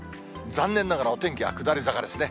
残念ながらお天気は下り坂ですね。